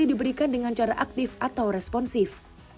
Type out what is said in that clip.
diberikan dengan cara aktif atau responsif